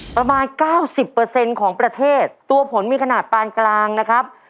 ประมาณ๙๐ของประเทศตัวผลมีขนาดปานกลางนะครับ